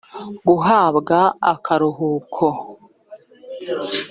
guhabwa akaruhuko